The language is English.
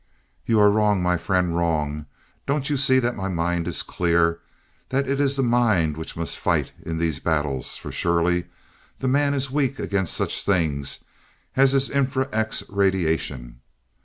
"You are wrong, my friend, wrong. Don't you see that my mind is clear that it is the mind which must fight in these battles, for surely the man is weak against such things as this infra X radiation?